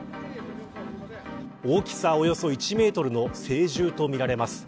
大きさ、およそ１メートルの成獣とみられます。